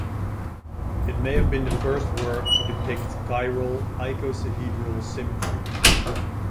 It may have been the first work to depict chiral icosahedral symmetry.